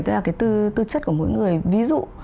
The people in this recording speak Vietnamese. tức là cái tư chất của mỗi người ví dụ